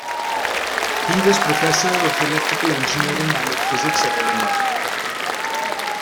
He was Professor of Electrical Engineering and of Physics at Illinois.